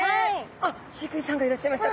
あっ飼育員さんがいらっしゃいました。